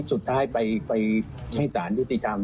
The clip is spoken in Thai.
สุดท้ายไปให้สารยุติธรรม